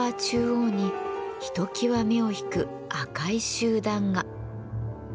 中央にひときわ目を引く赤い集団が。